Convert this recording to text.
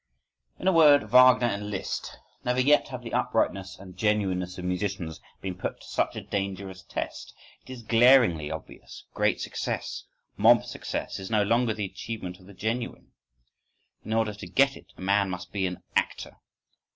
In a word: "Wagner and Liszt." Never yet have the "uprightness" and "genuineness" of musicians been put to such a dangerous test. It is glaringly obvious: great success, mob success is no longer the achievement of the genuine,—in order to get it a man must be an actor!